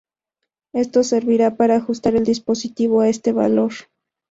Esto servirá para ajustar el dispositivo a este valor.